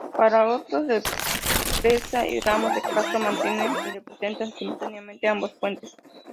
Para otros, Represa y Ramos de Castro, mantienen y representan simultáneamente ambos puentes.